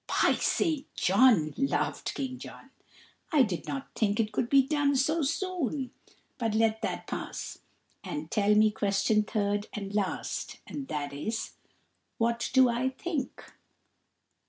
"By St. John," laughed King John, "I did not think it could be done so soon. But let that pass, and tell me question third and last, and that is What do I think?"